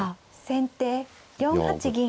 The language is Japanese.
先手４八銀。